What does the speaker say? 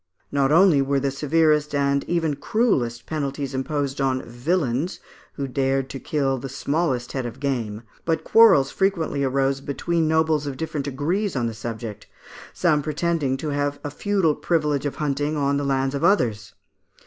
Not only were the severest and even cruellest penalties imposed on "vilains" who dared to kill the smallest head of game, but quarrels frequently arose between nobles of different degrees on the subject, some pretending to have a feudal privilege of hunting on the lands of others (Fig.